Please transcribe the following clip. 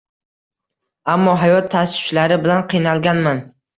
Аmmo hayot tashvishlari bilan qiynalganman.